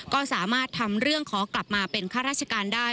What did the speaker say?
ก็สามารถทำเรื่องขอกลับมาเป็นข้าราชการได้